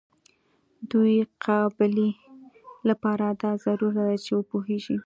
د یوې قابلې لپاره دا ضرور ده چې وپوهیږي.